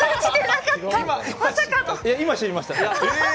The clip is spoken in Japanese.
今、知りました。